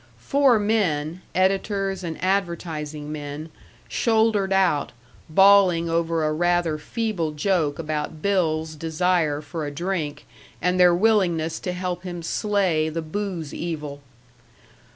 Four men, editors and advertising men, shouldered out, bawling over a rather feeble joke about Bill's desire for a drink and their willingness to help him slay the booze evil.